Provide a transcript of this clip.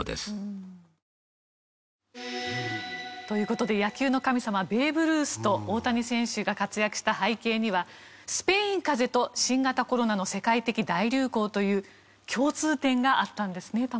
という事で野球の神様ベーブ・ルースと大谷選手が活躍した背景にはスペインかぜと新型コロナの世界的大流行という共通点があったんですね